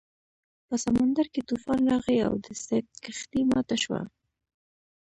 په سمندر کې طوفان راغی او د سید کښتۍ ماته شوه.